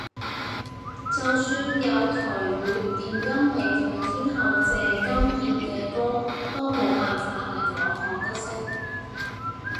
就算有台語電音美腿天后謝金燕嘅歌都冇辦法令我學得識